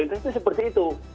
itu seperti itu